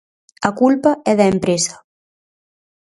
A culpa é da empresa.